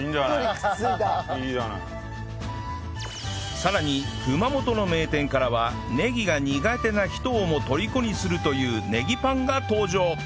さらに熊本の名店からはネギが苦手な人をもとりこにするというネギパンが登場